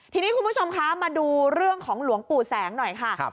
ทีนี้คุณผู้ชมคะมาดูเรื่องของหลวงปู่แสงหน่อยค่ะ